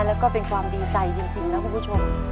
แล้วก็เป็นความดีใจจริงนะคุณผู้ชม